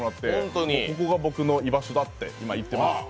ここが僕の居場所だって言ってます。